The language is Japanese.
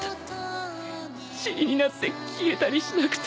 ちりになって消えたりしなくて。